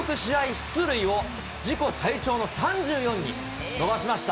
出塁を、自己最長の３４に伸ばしました。